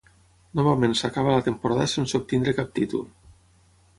Novament s'acaba la temporada sense obtenir cap títol.